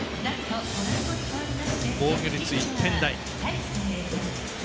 防御率１点台。